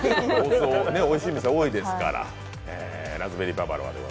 おいしいお店多いですから。